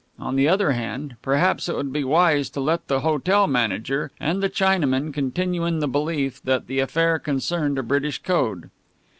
On the other hand, perhaps it would be wise to let the hotel manager and the Chinaman continue in the belief that the affair concerned a British code.